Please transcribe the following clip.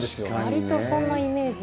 わりとそんなイメージは。